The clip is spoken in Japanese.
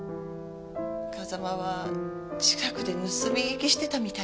風間は近くで盗み聞きしてたみたいで。